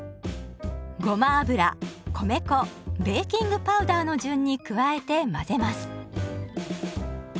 ごま油米粉ベーキングパウダーの順に加えて混ぜます。